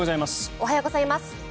おはようございます。